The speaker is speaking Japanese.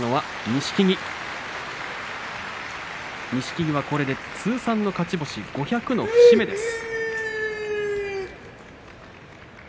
錦木はこれで通算の勝ち星５００の節目です。